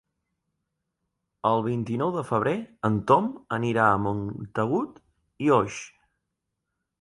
El vint-i-nou de febrer en Tom anirà a Montagut i Oix.